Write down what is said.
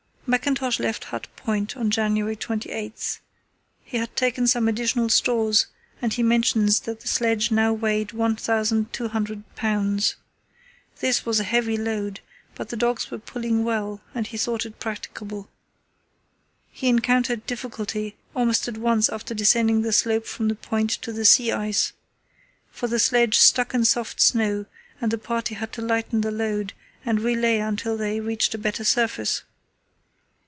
Mackintosh left Hut Point on January 28. He had taken some additional stores, and he mentions that the sledge now weighed 1200 lbs. This was a heavy load, but the dogs were pulling well and he thought it practicable. He encountered difficulty almost at once after descending the slope from the point to the sea ice, for the sledge stuck in soft snow and the party had to lighten the load and relay until they reached a better surface.